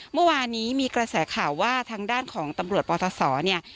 เมื่อวานนี้มีกระแสข่าวว่าทางด้านของตำรวจปศเนี่ย